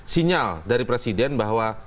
sinyal dari presiden bahwa